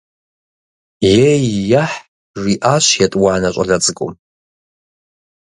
- Ей–ехь, - жиӏащ етӏуанэ щӏалэ цӏыкӏум.